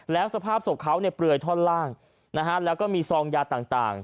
แล้วสภาพศพเขาเนี่ยเปลือยท่อนล่างนะฮะแล้วก็มีซองยาต่าง